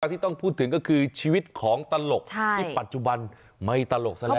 ที่ต้องพูดถึงก็คือชีวิตของตลกที่ปัจจุบันไม่ตลกซะแล้ว